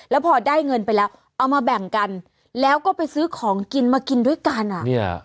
แล้วพอได้เงินไปแล้วเอามาแบ่งกันแล้วก็ไปซื้อของกินมากินด้วยกันอ่ะเนี่ย